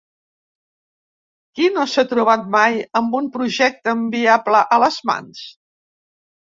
¿Qui no s'ha trobat mai amb un projecte inviable a les mans?